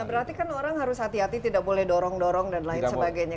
berarti kan orang harus hati hati tidak boleh dorong dorong dan lain sebagainya